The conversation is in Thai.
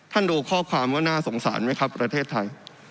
ดูข้อความว่าน่าสงสารไหมครับประเทศไทย